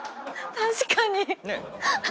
確かに。